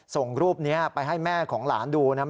ส่งรูปนี้ไปให้แม่ของหลานดูนะ